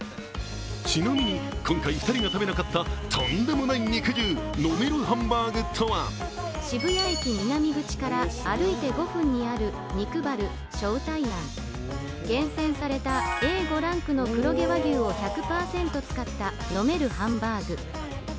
ちなみに今回２人が食べなかったとんでもない肉汁、飲めるハンバーグとは厳選されたＡ５ランクの黒毛和牛を１００％使った飲めるハンバーグ。